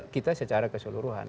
kita secara keseluruhan